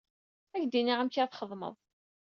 Ad k-d-iniɣ amek ad t-txedmeḍ.